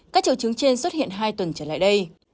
các triệu chứng trên xuất hiện hai tuần trở lại đây